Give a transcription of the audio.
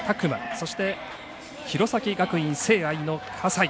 そして、弘前学院聖愛の葛西。